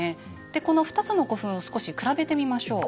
この２つの古墳を少し比べてみましょう。